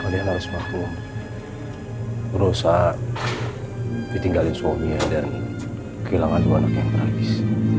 kau lihat al semuaku berusaha ditinggalin suaminya dan kehilangan dua anak yang terabis